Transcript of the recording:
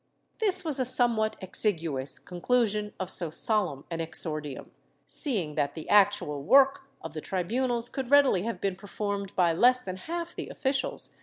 This was a somewhat exiguous con clusion of so solemn an exordium, seeing that the actual work of the tribunals could readily have been performed by less than half the officials v.